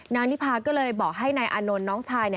นิพาก็เลยบอกให้นายอานนท์น้องชาย